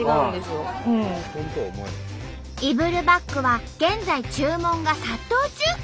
イブルバッグは現在注文が殺到中！